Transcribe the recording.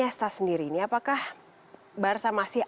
apalagi seandainya mereka bergabung dengan juve